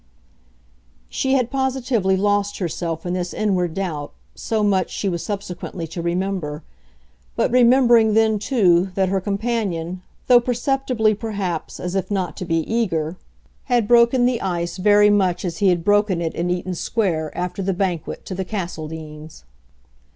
She had positively lost herself in this inward doubt so much she was subsequently to remember; but remembering then too that her companion, though perceptibly perhaps as if not to be eager, had broken the ice very much as he had broken it in Eaton Square after the banquet to the Castledeans.